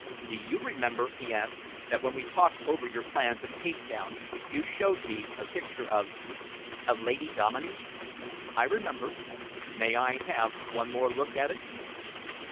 "Do you remember," he asked, "that when we talked over your plans at Cape Town, you showed me a picture of of Lady Dominey?" "I remember." "May I have one more look at it?"